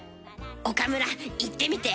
岡村言ってみて。